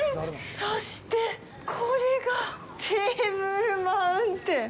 そして、これがテーブルマウンテン！